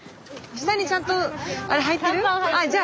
下にちゃんとあれはいてる？